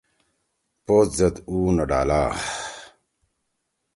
پوت زید اُو نہ ڈالا۔